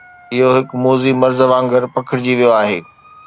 اهو هڪ موذي مرض وانگر پکڙجي ويو آهي